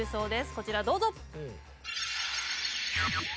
こちらどうぞ！